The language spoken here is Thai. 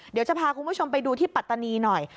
เดี๋ยวจะพาคุณผู้ชมไปดูที่ปัตตานีหน่อย